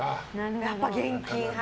やっぱ現金派。